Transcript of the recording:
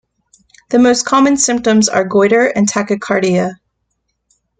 The most common symptoms are goiter and tachycardia.